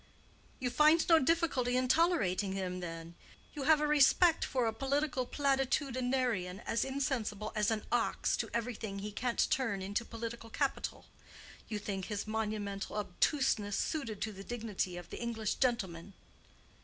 "You find no difficulty in tolerating him, then?—you have a respect for a political platitudinarian as insensible as an ox to everything he can't turn into political capital. You think his monumental obtuseness suited to the dignity of the English gentleman."